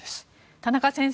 田中先生